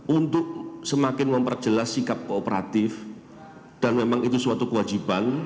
untuk semakin memperjelas sikap kooperatif dan memang itu suatu kewajiban